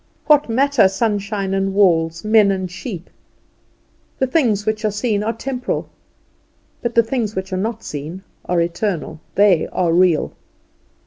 What matter sunshine and walls, men and sheep? "The things which are seen are temporal, but the things which are not seen are eternal." They are real.